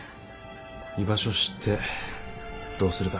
居場所知ってどうするだ？